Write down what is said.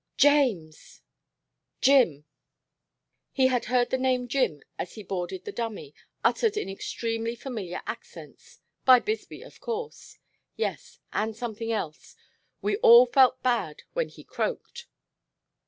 "James!" "Jim." He had heard the name Jim as he boarded the dummy, uttered in extremely familiar accents; by Bisbee, of course. Yes, and something else. "We all felt bad when he croaked."